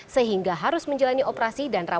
sehingga harus menjalani operasi penyelenggaraan